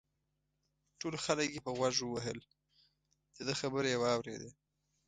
ټول خلک یې په غوږ ووهل دده خبره یې واورېده.